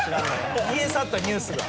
消え去った？ニュースが。